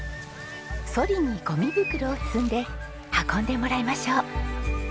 ソリにゴミ袋を積んで運んでもらいましょう。